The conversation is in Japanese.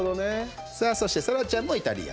そして、そらちゃんもイタリア。